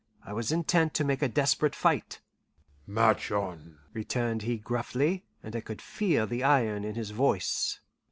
I was intent to make a desperate fight. "March on," returned he gruffly, and I could feel the iron in his voice.